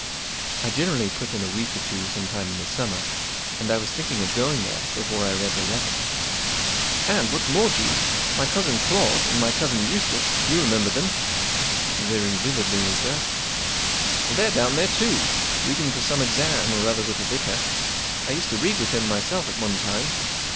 I generally put in a week or two some time in the summer, and I was thinking of going there before I read the letter. " And, what's more, Jeeves, my cousin Claude, and my cousin Eustace —you re¬ member them ?"" Very vividly, sir/' ." Well, they're down there, too, reading for some exam, or other with the vicar. I used to read with him myself at one time.